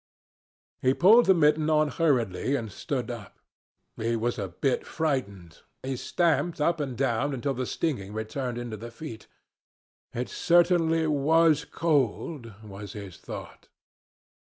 He pulled the mitten on hurriedly and stood up. He was a bit frightened. He stamped up and down until the stinging returned into the feet. It certainly was cold, was his thought.